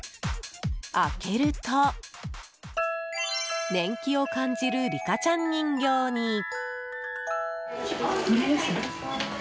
開けると年季を感じるリカちゃん人形に。